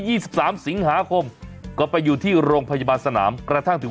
สิบสามสิงหาคมก็ไปอยู่ที่โรงพยาบาลสนามกระทั่งถึง